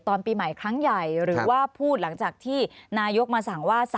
ตอนปีใหม่ครั้งใหญ่หรือว่าพูดหลังจากที่นายกมาสั่งว่า